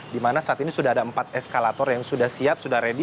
di mana saat ini sudah ada empat eskalator yang sudah siap sudah ready